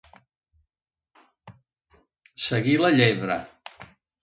Seguir la llebre.